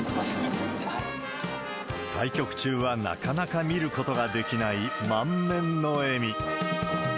対局中はなかなか見ることができない満面の笑み。